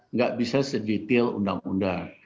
nggak bisa sedetail undang undang